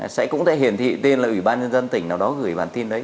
sẽ cũng sẽ hiển thị tên là ủy ban nhân dân tỉnh nào đó gửi bản tin đấy